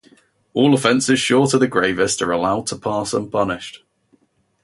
All offenses short of the gravest are allowed to pass unpunished.